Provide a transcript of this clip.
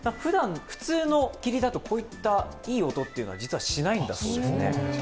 普通の桐だとこういった、いい音は実はしないんだそうです。